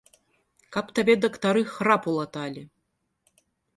Каб табе дактары храпу латалі!